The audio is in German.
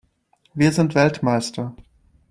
Wir sind Weltmeister!